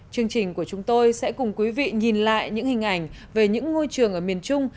chương trình của chúng tôi sẽ cùng quý vị nhìn lại những hình ảnh về những ngôi trường ở miền trung